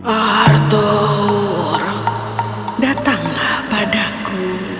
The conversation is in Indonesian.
arthur datanglah padaku